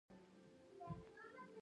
تنور د نیکمرغه میندو امید دی